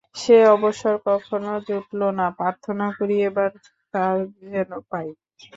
সে অবসর কখনও জুটল না! প্রার্থনা করি, এবার তা যেন পাই।